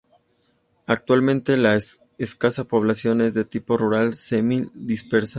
Actualmente la escasa población es de tipo rural semi dispersa.